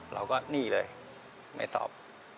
เราก็นี่เลยไม่ตอบ